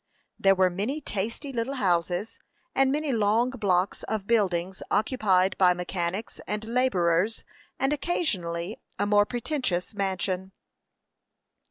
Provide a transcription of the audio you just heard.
There were many tasty little houses, and many long blocks of buildings occupied by mechanics and laborers, and occasionally a more pretentious mansion.